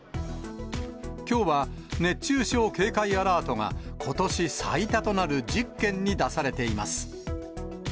きょうは熱中症警戒アラートが、ことし最多となる１０県に出されています。